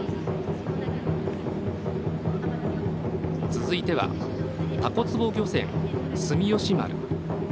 続いてはたこつぼ漁船「住吉丸」